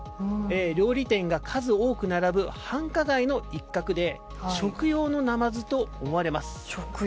料理店が数多く並ぶ繁華街の一角で食用のナマズと思われます。